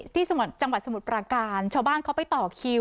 ที่จังหวัดสมุทรปราการชาวบ้านเขาไปต่อคิว